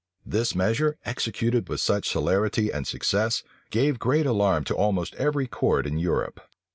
This measure, executed with such celerity and success, gave great alarm to almost every court in Europe.